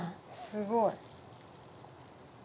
すごい。